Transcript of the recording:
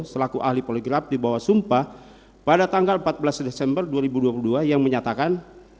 selaku ahli poligraf di bawah sumpah pada tanggal empat belas desember dua ribu dua puluh dua yang menyatakan